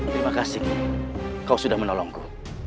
terima kasih kau sudah menolongku